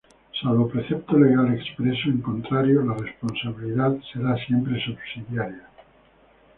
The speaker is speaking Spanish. Salvo precepto legal expreso en contrario, la responsabilidad será siempre subsidiaria.